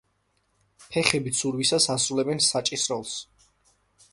ფეხები ცურვისას ასრულებენ საჭის როლს.